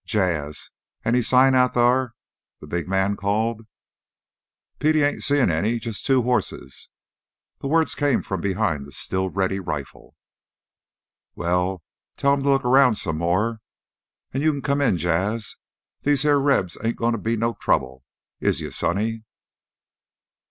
"Jas', any sign out thar?" the big man called. "Petey ain't seen any, jus' two horses." The words came from behind the still ready rifle. "Wai, tell him to look round some more. An' you kin come in, Jas'. These here Rebs ain't gonna be no trouble is you, sonny?"